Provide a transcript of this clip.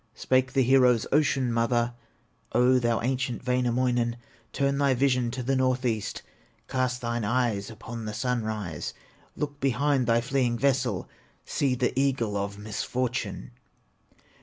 Spake the hero's ocean mother: "O thou ancient Wainamoinen, Turn thy vision to the north east, Cast thine eyes upon the sunrise, Look behind thy fleeing vessel, See the eagle of misfortune!"